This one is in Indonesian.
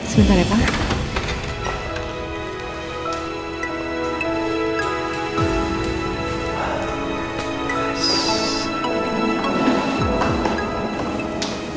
sebentar ya pak